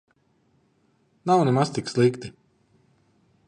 Nav nemaz tik slikti.